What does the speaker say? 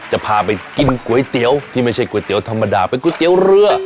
จะพาไปกินก๋วยเตี๋ยวที่ไม่ใช่ก๋วยเตี๋ยวธรรมดาเป็นก๋วยเตี๋ยวเรือ